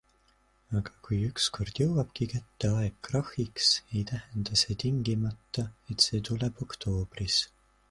Aga kui ükskord jõuabki kätte aeg krahhiks, ei tähenda see tingimata, et see tuleb oktoobris.